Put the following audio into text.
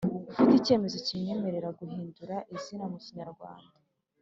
Ufite icyemezo kimwemerera guhindura izina mu kinyarwanda